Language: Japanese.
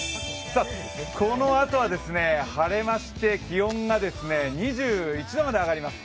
このあとは晴れまして気温が２１度まで上がります。